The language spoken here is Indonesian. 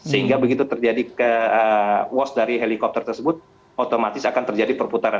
sehingga begitu terjadi wash dari helikopter tersebut otomatis akan terjadi perputaran